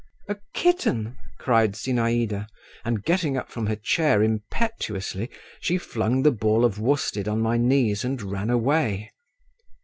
"A kitten!" cried Zinaïda, and getting up from her chair impetuously, she flung the ball of worsted on my knees and ran away.